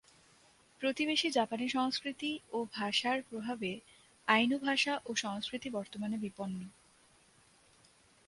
প্রতিবেশী জাপানি সংস্কৃতি ও ভাষার প্রভাবে আইনু ভাষা ও সংস্কৃতি বর্তমানে বিপন্ন।